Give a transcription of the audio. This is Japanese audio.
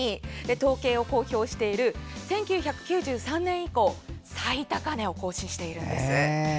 統計を公表している１９９３年以降最高値を更新しているんです。